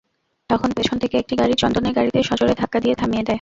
তখন পেছন থেকে একটি গাড়ি চন্দনের গাড়িতে সজোরে ধাক্কা দিয়ে থামিয়ে দেয়।